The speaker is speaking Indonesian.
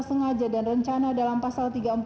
sengaja dan rencana dalam pasal tiga ratus empat puluh